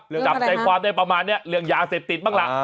จับใจความได้ประมาณนี้เรื่องยาเสพติดบ้างล่ะ